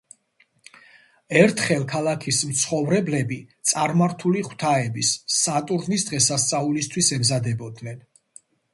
ერთხელ ქალაქის მცხოვრებლები წარმართული ღვთაების, სატურნის დღესასწაულისთვის ემზადებოდნენ.